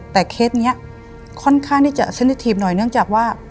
แต่เคสนี้ค่อนข้างที่จะสนิททีฟหน่อยเนื่องจากว่า